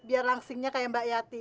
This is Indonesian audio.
biar langsingnya kayak mbak yati